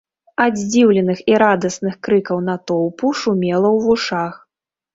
Ад здзіўленых і радасных крыкаў натоўпу шумела ў вушах.